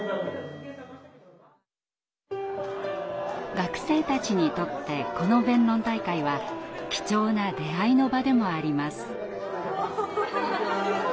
学生たちにとってこの弁論大会は貴重な出会いの場でもあります。